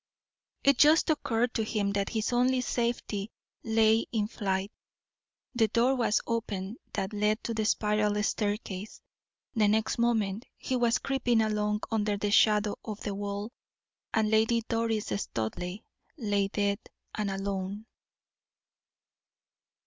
It just occurred to him that his only safety lay in flight. The door was opened that led to the spiral staircase; the next moment he was creeping along under the shadow of the wall, and Lady Doris Studleigh lay dead and alone!